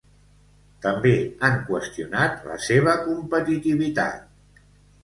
També han qüestionat la seva competitivitat.